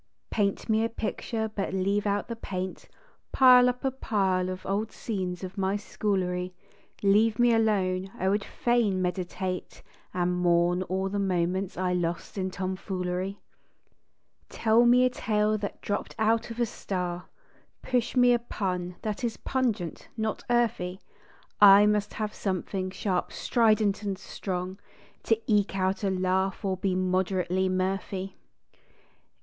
Paint me a picture but leave out the paint, Pile up a pile of old scenes of my schoolery, Leave me alone ; I would fain meditate And mourn o er the moments I lost in tomfoolery. Tell me a tale that dropped out of a star, Push me a pun that is pungent, not earthy. I must have something sharp, strident, and strong To eke out a laugh or be moderately mirthy.